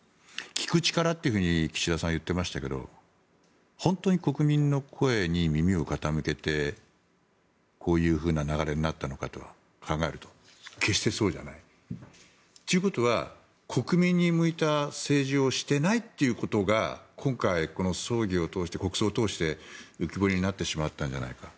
聞く力と岸田さんは言ってましたけど本当に国民の声に耳を傾けてこういうふうな流れになったのかと考えると決してそうじゃない。ということは国民に向いた政治をしていないということが今回、この葬儀、国葬を通して浮き彫りになってしまったんじゃないか。